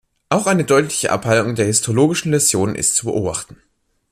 Auch eine deutliche Abheilung der histologischen Läsionen ist zu beobachten.